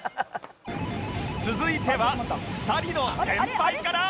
続いては２人の先輩から